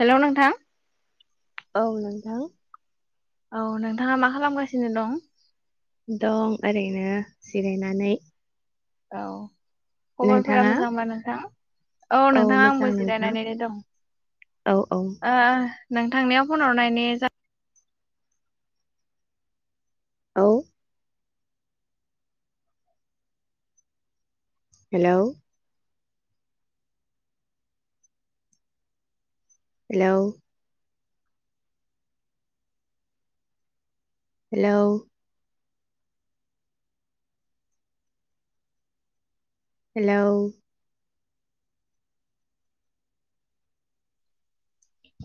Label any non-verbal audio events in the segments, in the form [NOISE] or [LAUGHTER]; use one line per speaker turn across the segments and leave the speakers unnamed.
Hello नोंथां।
औ नोंथां।
औ नोंथाङा मा खालामगासिनो दं?
दं ओरैनो जिरायनानै।
औ। खबरफोरा
नोंथाङा
मोजांबा नोंथां? औ नोंथा
मोजां
आंबो
नोंथां
जिरायनानैनो दं।
औ औ
अ अ। नोंथांनियाव फन हरनायनि जा
औ। Hello hello. हेलौ। हेलौ।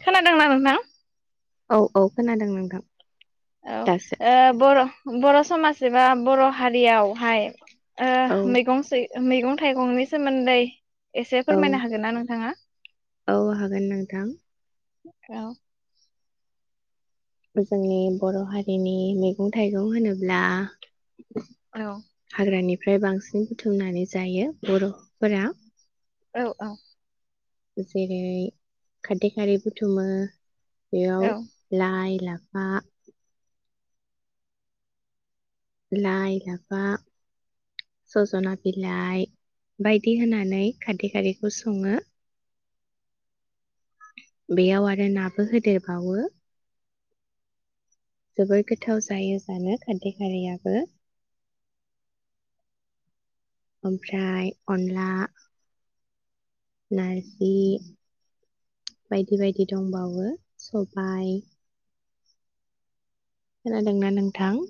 खोनादोंना नोथां।
औ औ खोनादों नोंथां।
औ
दासो
ओ बर' बर' समाज एबा बर' हारियावहाय
औ
ओ मैगं सै मैगं थाइगंनि सोमोन्दै एसे
औ
फोरमायनो हागोनना नोंथाङा?
औ हागोन नोंथां।
औ।
जोंनि बर' हारिनि मेगं थाइगं होनोब्ला
[INAUDIBLE]
हाग्रानि फ्राय बांसिन बुथुमनानै जायो बर 'फोरा
औ औ।
जेरै खारदै खारै बुथुमो। बेयाव
औ
लाइ ला फा लाइ लाफा सजना बिलाइ बायदि होनानै खारदै खारैखौ सङो। बेयाव आरो नाबो होदेरबावो। जोबोर गोथाव जायो जानो खान्दै खारैयाबो ओमफ्राय अनला नारजि बायदि बायदि दंबावो सबाय खोनादोंना नोंथां?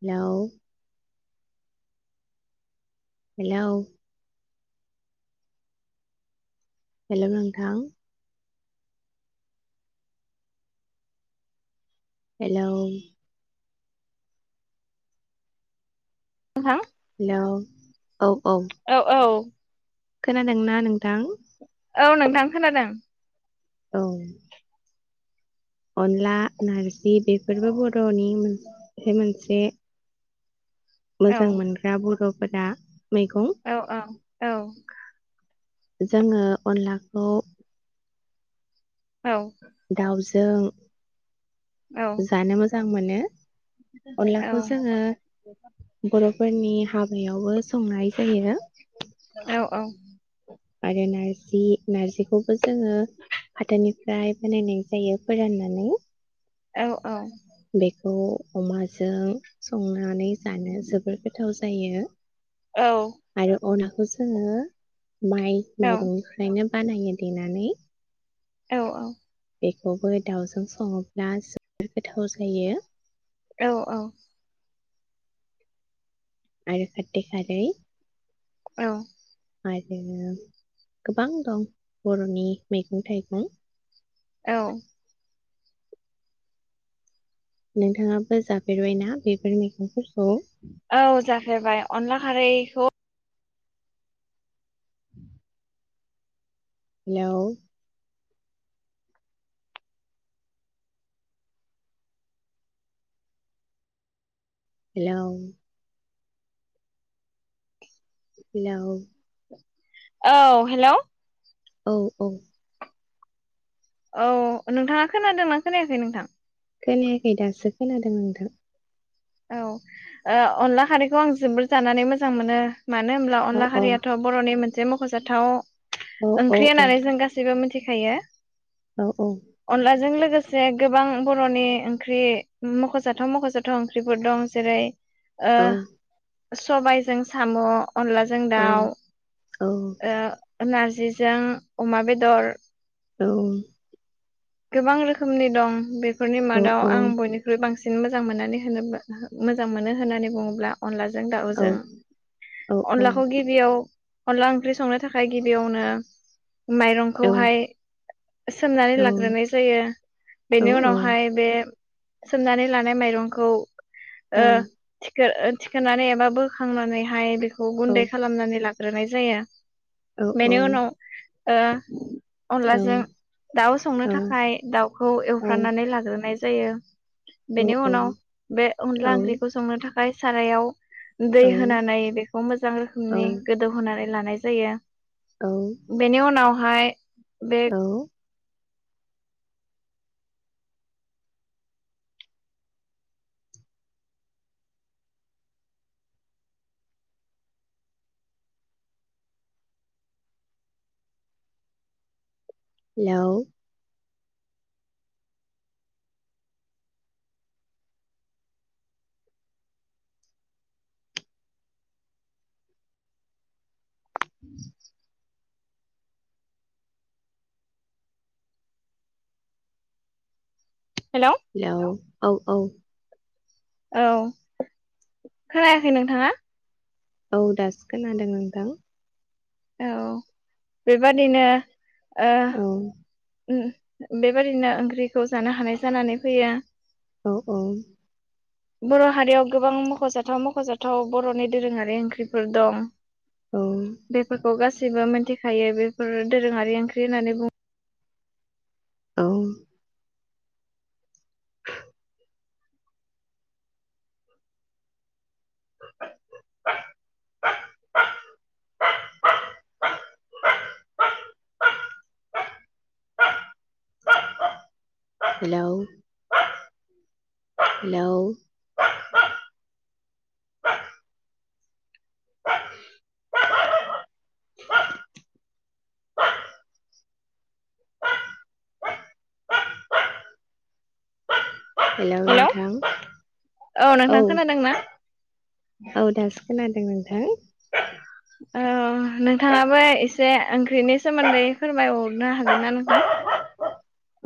हेलौ। हेलौ। हेलौ नोंथां। हेलौ।
[INAUDIBLE]
हेलौ।
औ औ।
खोनादोंना नोंथां?
औ नोंथां खोनादों।
औ। अनला नार्जि बेफोरबो बर'नि मोनसे मोनसे
औ
मोजां मोनग्रा बर' फोरा मैगं।
औ औ औ
जोङो अनला खौ
औ।
दाउजों जानो मोजां मोनो। अनलाखौ जोङो बर'फोरनि हाबायावबो संनाय जायो।
औ
जि नार्जि बेखौबो जोङो फाथोनि फ्राय बानायनाय जायो फोरान्नानै।
औ औ।
बेखौ अमाजों संनानै जानो जोबोर गोथाव जायो।
औ
आरो अन बेखौ जोंङो माइ
औ
माइरंनिफ्रायनो बानायो देनानै।
औ औ।
बेखौबो दाउजों संङोब्ला जोबोर गोथाव जायो।
औ औ।
आरो खारदै खारै।
औ।
आरो गोबां दं बर'नि मैगं थाइगं।
औ।
नोंथाङाबो जाफेरबायना बेफोर मैगंफोरखौ?
औ जाफेरबाय अनला खारैखौ
[INAUDIBLE] हेलौ। हेलौ। हेलौ।
औ हेलौ।
औ औ।
औ नोंथाङा खोनादोंना खोनायाखै नोंथां
खोनायाखै दासो खोनादों नोंथां
औ अनला ओ खारैखौ आं जोबोर जानानै मोजां मोनो। मानो होमब्ला
औ
अनला
औ
खारियाथ बर'नि मोनसे जे मख'जाथाव
औ औ
ओंख्रि
औ
होननानै जों गासैबो मिथि खायो
औ
अनलाजों लोगो से गोबां बर'नि ओंख्रि मख'जाथाव मख'जाथाव ओंख्रिफोर दं जेरै
औ
ओ सबायजों साम' अनलाजों
औ
दाउ
औ
ओ नारजिजों अमा बेदर,
औ
गोबां रोखोमनि दं बे फोरनि मादाव
औ
आं बयनिख्रुइ बांसिन मोजां मोननानै होनोबा मोजां मोनो होननानै बुङोब्ला अनला जों दाउजों अनलाखौ गिबियाव अनला ओंख्रि संनो थाखाय गिबियावनो
औ
माइरंखौहाय सोमनानै ला ग्रोनाय जायो
औ
बेनि उनावहाय बे सोमनानै लानाय माइरंखौ ओ थिखो नानै एबा बोखांनानैहाय बेखौ गुन्दै
औ
खालामनानै ला ग्रोनाय जायो।
औ
बेनि
औ
उनाव ओ
औ औ
अनलाजों दाउ संनो थाखाय दाउखौ एवफ्रानानै लाग्रोनाय जायो
औ
बेनि उनाव बे अनला ओंख्रिखौ संनो थाखा फ्राय सारायाव दै होनानै बेखौ मोजां रोखोमनि गोदौहोनानै लानाय जायो। बेनि उनाव हाय
औ हेलौ
हेलौ
हेलोव औ औ
औ खोनायाखै नोंथांङा?
औ दासो खोनादों नोंथां
औ बेबादिनो
औ
उम बेबायादिनो ओंख्रिखौ जानो हानाय जानानै फैयो।
औ औ
बर'हारियाव गोबां मखजाथाव मखजाथाव बर'नि दोरोंङारि ओंख्रिफोर दं।
औ
बेफोरखौ गासैबो मिथिखायो बेफोर दोरोंङारि ओंख्रि होननानै बुं
औ हेलोव हेलोव हेलौ नोंथां औ
नोंथां खोनादोंना
औ दासो खोनादों हो
औ नोंथांङाबो एसे ओंख्रिनि सोमोन्दै फोरमायहरनो हागोन ना नोंथां?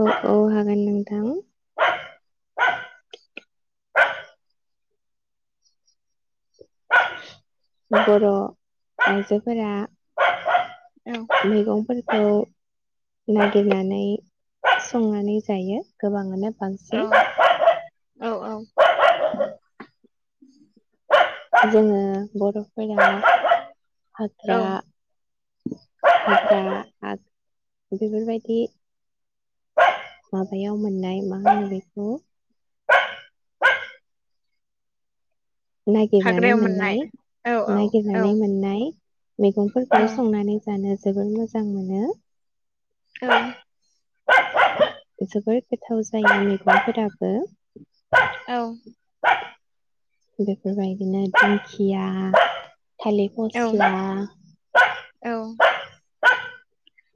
औ औ हागोन नोंथां। बर' आइजोफोरा
औ
मैगं फोर खौ नागिरनानै संनानै जायो गोबांङानो बांसिन
औ औ
जोंङो बर'फोरा
औ
हाग्रा दा हाग बेफोरबायदि माबायाव मोननाय मा होनो बेखौ नागिरनानै मोननाय
औ औ औ
नागिरनानै मोननाय मैगंफोरखौ
औ
संनानै जानो जोबोर मोजां मोनो।
औ [INAUDIBLE]
जोबोर गोथाव जायो मैगंफोरा
औ।
बेफोरबायदिनो दिंखिया थालिर
औ
फस्ला
औ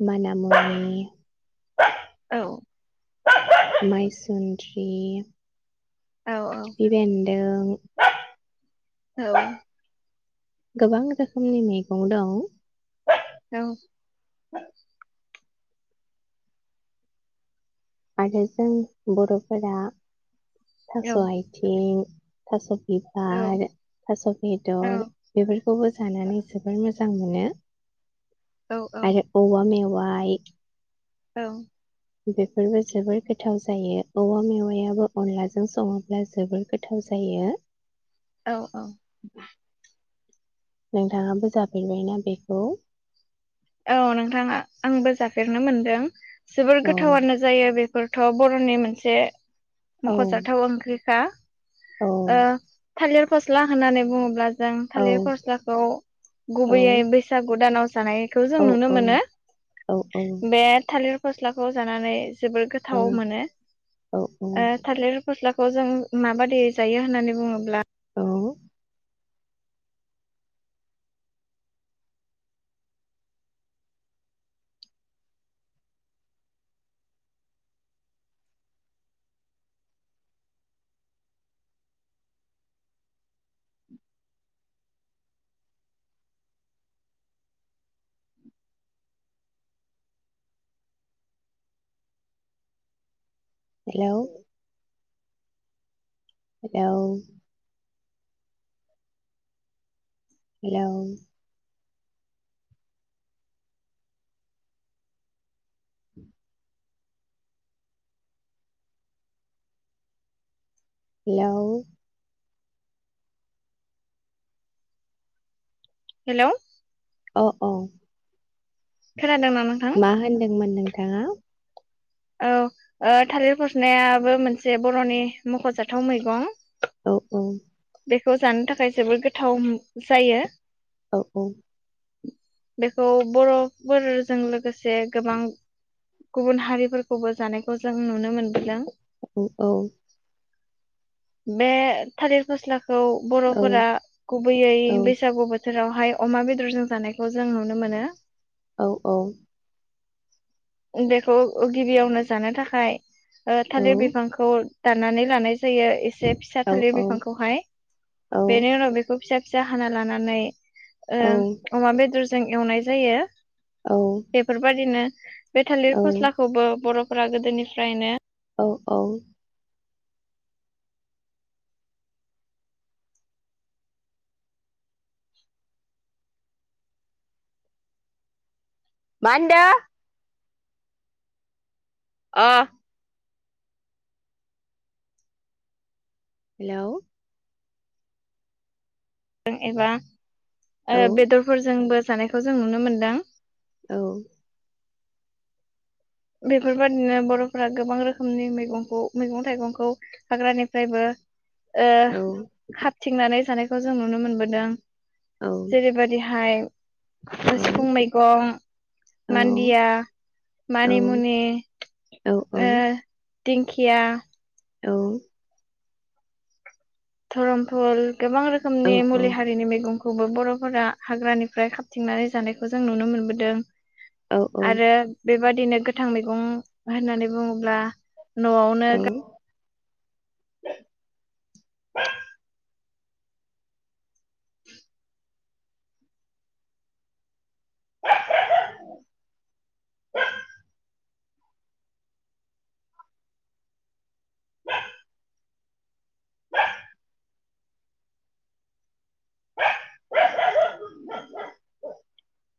माना मुनि
औ।
माइसुन्द्रि
औ औ
खिफि बेन दों
औ।
गोबां रोखोमनि मैगं दं
औ।
आरो जों बर 'फोरा थास आयथिं, थास बिबार, थास बेदर बेफोरखौबो जानानै जोबोर मोजां मोनो
औ
आरो औवा मेवा याइ
औ।
बेफोरबो जोबोर गोथाव जायो। औवा मेवायाबो अनलाजों सङोब्ला जोबोर गोथाव जायो।
औ औ।
नोंथाङाबो जाफेरबायना बेखौ?
औ नोंथाङा आंबो जाफेरनो मोनदों। जोबोर
औ
गोथावानो जायो बे फोरथ बर'नि मोनसे
औ
मख 'जाथाव ओंख्रि हा
औ
ओ थालिर फस्ला होननानै बुङोब्ला जों
औ
थालिर फस्लाखौ
औ
गुबैयै बैसागु दानाव जानाय जों
औ
नुनो मोनो। बे थालि फस्लाखौ जानानै जोबोर गोथाव मोनो
औ औ
ओ थालिर फस्ला खौ जों माबादि जायो होननानै बुङोब्ला
औ hello hello. Hello. Hello.
Hello
अ औ
खोनादोंना नोंथां
मा होनदोंमोन नोंथांङा?
औ ओ थालिर फस्लायाबो मोनसे बर'नि मख'जाथाव मैगं।
औ औ
बेखौ जानो थाखाय जोबोद गोथाव जायो।
औ औ
बेखौ बरफोरजों लोगो से गोबां गुबुन हारिफोर खौबो जानायखौ जों नुनो मोनबोदों।
औ औ
बे थालिर फस्लाख खौ
औ
बर'फोरा गुबैयै
औ
बैसागु बो जेरावहाय अमा बेदरजों जानायखौ जों नुनो मोनो।
औ औ
ओ बेखौ गिबियावनो जानो थाखाय ओ
औ
थालिर बिफांखौ दाननानै लानाय जायो एसे फिसा थालिर बिफांखौहाय
औ
बेनि उनाव बेखौ फिसा फिसा हाना लानानै ओ अमा बेदर जों एवनाय जायो।
औ
बेफोरबादिनो [INAUDIBLE] बे थालिर
औ
फस्लाखौबो बर'फ फोरा गोदोनिफ्रायनो
औ औ मा ओन्दो? अ हेलौ
नों एबा
औ
आरो बेदरफोरजोंबो जानायखौ जों नुनो मोनदों।
औ
बेफोरबादिनो बर'फोरा गोबां रोखोमनि मैगंखौ मैगं थाइगंखौ हाग्रानिफ्रायबो ओ
औ
खाथ थिंनानै जानायखौ जों नुनो मोनबोदों।
औ
जेरै बायदिहाय सिफुं मैगं,
औ
मान्दिया
औ
मानि मुनि
औ
ओ दिंखिया
औ
धरमफुल गोबां रोखोमनि मुलि हारिनि मैगं खौबो बरफोरा हाग्रानिफ्राय खाबथिंनानै जानायखौ जों नुनो मोनबोदों।
औ औ
आरो बेबाद दिनो गोथां मैगं होननानै बुङोब्ला नआवनो गा
औ [INAUDIBLE]